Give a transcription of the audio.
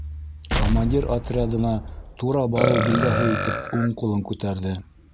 Командир, отрядына тура барыу билдәһе итеп, уң ҡулын күтәрҙе.